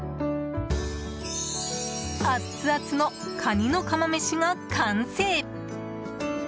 アツアツのカニの釜飯が完成。